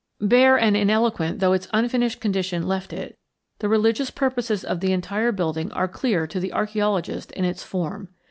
Bare and ineloquent though its unfinished condition left it, the religious purposes of the entire building are clear to the archæologist in its form.